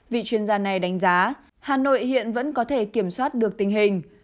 vị chuyên gia này đánh giá hà nội hiện vẫn có thể kiểm soát được tình hình